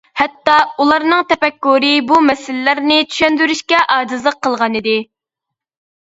ھەتتا ئۇلارنىڭ تەپەككۇرى بۇ مەسىلىلەرنى چۈشەندۈرۈشكە ئاجىزلىق قىلغان ئىدى.